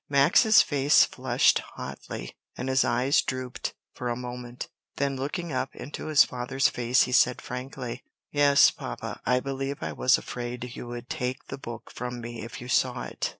Max's face flushed hotly, and his eyes drooped for a moment, then looking up into his father's face he said frankly, "Yes, papa, I believe I was afraid you would take the book from me if you saw it.